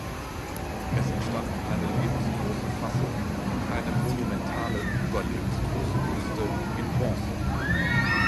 Es entstanden eine lebensgroße Fassung und eine „monumentale“ überlebensgroße Büste in Bronze.